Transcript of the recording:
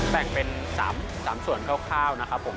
แบ่งเป็น๓ส่วนคร่าวนะครับผม